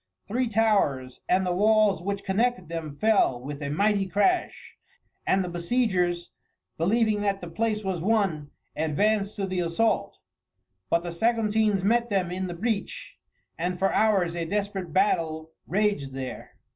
Three towers and the walls which connected them fell with a mighty crash, and the besiegers, believing that the place was won, advanced to the assault. But the Saguntines met them in the breach, and for hours a desperate battle raged there.